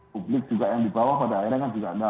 publik juga yang di bawah pada akhirnya kan juga